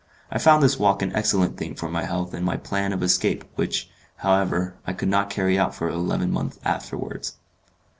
I found this walk an excellent thing for my health and my plan of escape, which, however, I could not carry out for eleven months afterwards.